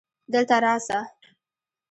دلته راسه